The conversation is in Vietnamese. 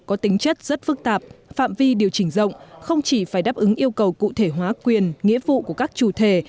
có tính chất rất phức tạp phạm vi điều chỉnh rộng không chỉ phải đáp ứng yêu cầu cụ thể hóa quyền nghĩa vụ của các chủ thể